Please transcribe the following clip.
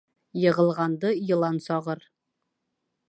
Йығылғанды йылан сағыр.